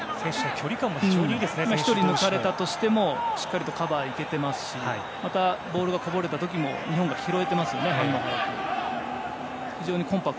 １人が抜かれたとしてもしっかりカバーにいけてますしまたボールがこぼれた時も日本が拾えてますよね